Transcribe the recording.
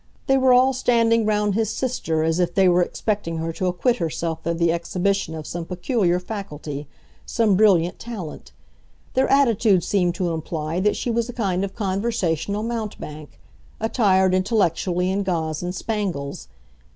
They were all standing round his sister, as if they were expecting her to acquit herself of the exhibition of some peculiar faculty, some brilliant talent. Their attitude seemed to imply that she was a kind of conversational mountebank, attired, intellectually, in gauze and spangles.